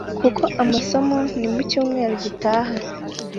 kuko amasomo nimucymweru gitaha.